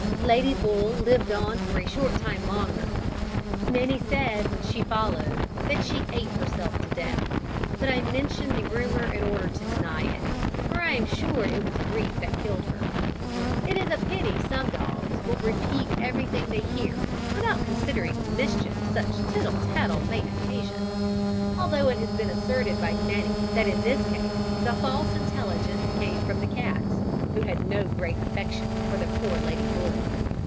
Lady Bull lived on for a short time longer. Many said, when she followed, that she ate herself to death; but I mention the rumour in order to deny it, for I am sure it was grief that killed her. It is a pity some dogs will repeat everything they hear, without considering the mischief such tittle tattle may occasion although it has been asserted by many that in this case the false intelligence came from the Cats, who had no great affection for poor Lady Bull.